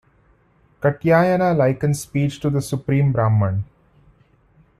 Katyayana likens speech to the supreme Brahman.